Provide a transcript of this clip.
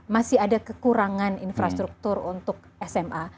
masih ada kekurangan infrastruktur untuk sma